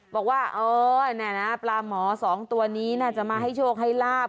บอกว่าโอ้ยแนน่าปลาหมอ๒ตัวนี้น่าจะมาให้โชคให้ลาบ